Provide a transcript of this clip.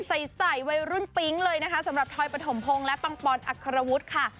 ใส่ใส่วัยรุ่นปิ๊งเลยนะคะสำหรับทอยปฐมพงศ์และปังปอนอัครวุฒิค่ะ